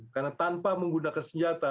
karena tanpa menggunakan senjata